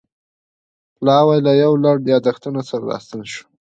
پلاوی له یو لړ یادښتونو سره راستون شو.